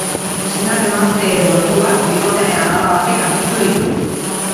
Senar-emazteen gorpuak bikotearen alaba batek aurkitu ditu.